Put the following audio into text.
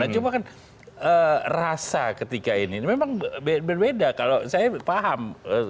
cuma kan rasa ketika ini memang berbeda kalau saya paham